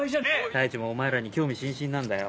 太一もお前らに興味津々なんだよ。